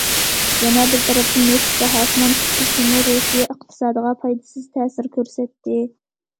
يەنە بىر تەرەپتىن نېفىت باھاسىنىڭ چۈشۈشىمۇ رۇسىيە ئىقتىسادىغا پايدىسىز تەسىر كۆرسەتتى.